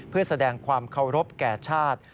เพื่อแสดงความเคารพแก่ชาติ